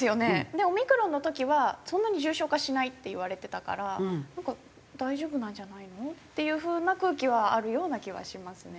でオミクロンの時はそんなに重症化しないって言われてたからなんか大丈夫なんじゃないの？っていう風な空気はあるような気はしますね。